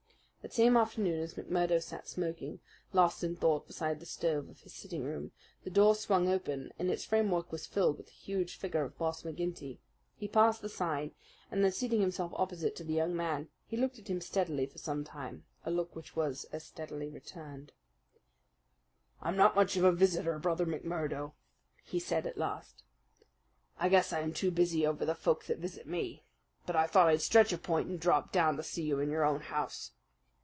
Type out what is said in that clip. That same afternoon, as McMurdo sat smoking, lost in thought beside the stove of his sitting room, the door swung open and its framework was filled with the huge figure of Boss McGinty. He passed the sign, and then seating himself opposite to the young man he looked at him steadily for some time, a look which was as steadily returned. "I'm not much of a visitor, Brother McMurdo," he said at last. "I guess I am too busy over the folk that visit me. But I thought I'd stretch a point and drop down to see you in your own house."